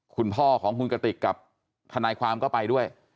คุณพ่อของคุณกติกกับทนายความก็ไปด้วย